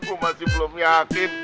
aku masih belum yakin